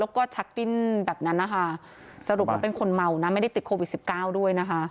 แล้วก็ชักดิ้นแบบนั้นนะคะสรุปแล้วเป็นคนเมานะไม่ได้ติดโควิด๑๙ด้วยนะคะ